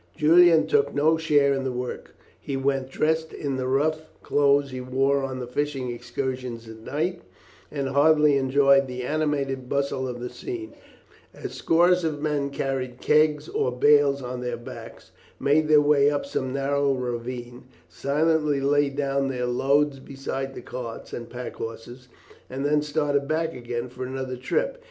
Julian took no share in the work. He went dressed in the rough clothes he wore on the fishing excursions at night, and heartily enjoyed the animated bustle of the scene, as scores of men carrying kegs or bales on their backs, made their way up some narrow ravine, silently laid down their loads beside the carts and pack horses, and then started back again for another trip.